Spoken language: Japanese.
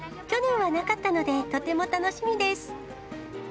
去年はなかったので、とても楽しみです。